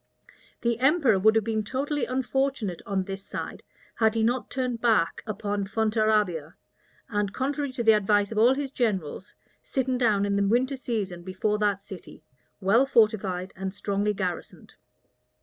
The emperor would have been totally unfortunate on this side, had he not turned back upon Fontarabia, and, contrary to the advice of all his generals, sitten down in the winter season before that city, well fortified and strongly garrisoned.